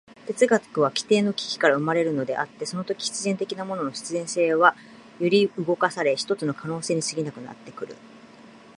哲学は基底の危機から生まれるのであって、そのとき必然的なものの必然性は揺り動かされ、ひとつの可能性に過ぎなくなってくる。